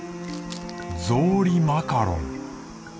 ぞうりマカロン。